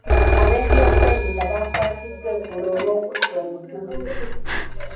Ab'ebyokwerinda baakwatiddwa eggulo olwokutta omutuuze.